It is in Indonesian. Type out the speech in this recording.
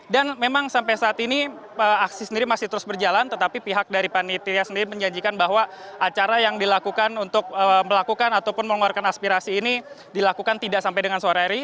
dan memang sampai saat ini aksi sendiri masih terus berjalan tetapi pihak dari panitia sendiri menjanjikan bahwa acara yang dilakukan untuk melakukan ataupun mengeluarkan aspirasi ini dilakukan tidak sampai dengan suara eri